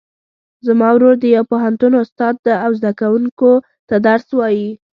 زما ورور د یو پوهنتون استاد ده او زده کوونکو ته درس وایي